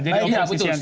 jadi oposisi yang cerdas